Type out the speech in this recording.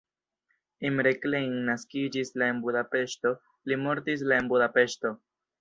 Imre Klein naskiĝis la en Budapeŝto, li mortis la en Budapeŝto.